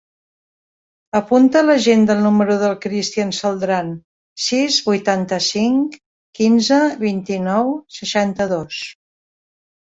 Apunta a l'agenda el número del Christian Celdran: sis, vuitanta-cinc, quinze, vint-i-nou, seixanta-dos.